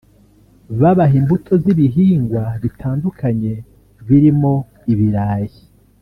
babaha imbuto z’ibihingwa bitandukanye birimo ibirayi